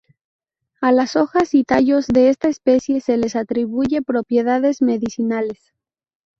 A las hojas y tallos de esta especie se les atribuye propiedades medicinales.